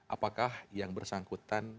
apakah yang bersangkutan